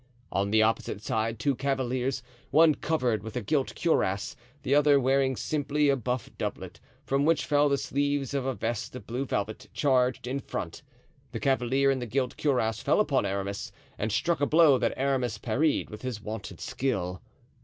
On the opposite side two cavaliers, one covered with a gilt cuirass, the other wearing simply a buff doublet, from which fell the sleeves of a vest of blue velvet, charged in front. The cavalier in the gilt cuirass fell upon Aramis and struck a blow that Aramis parried with his wonted skill.